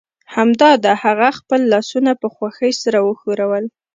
همدا ده هغه خپل لاسونه په خوښۍ سره وښورول